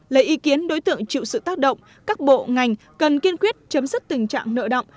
lấy ý kiến đối tượng chịu sự tác động các bộ ngành cần kiên quyết chấm dứt tình trạng nợ động